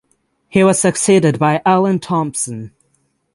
He was succeeded by Allen Thompson.